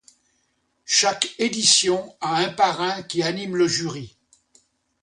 Chaque édition a un parrain qui anime le jury.